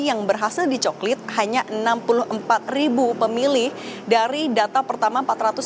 yang berhasil dicoklit hanya enam puluh empat ribu pemilih dari data pertama empat ratus sembilan puluh